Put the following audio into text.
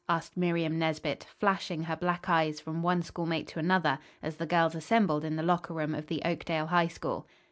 asked Miriam Nesbit, flashing her black eyes from one schoolmate to another, as the girls assembled in the locker room of the Oakdale High School.